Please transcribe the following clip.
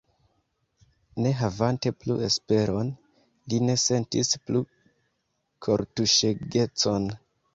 Ne havante plu esperon, li ne sentis plu kortuŝegecon.